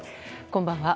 こんばんは。